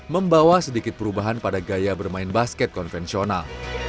membawa sedikit perubahan pada gaya bermain basket konvensional